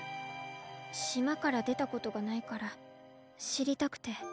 しまからでたことがないからしりたくて。